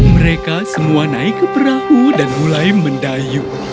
mereka semua naik ke perahu dan mulai mendayu